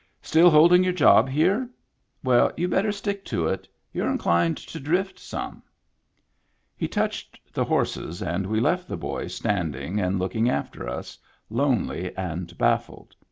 " Still holding your job here ? Well, you better stick to it. You're inclined to drift some." He touched the horses, and we left the boy standing and looking after us, lonely and baffled.